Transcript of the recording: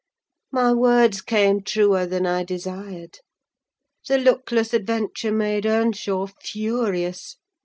My words came truer than I desired. The luckless adventure made Earnshaw furious.